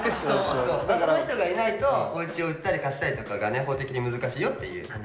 その人がいないとおうちを売ったり貸したりとかがね法的に難しいよっていう。